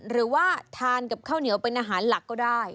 หรือว่าทานกับข้าวเหนียวเป็นอาหารหลักก็ได้